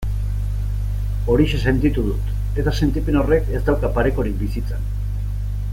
Horixe sentitu dut, eta sentipen horrek ez dauka parekorik bizitzan.